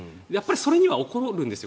それには怒るんですよ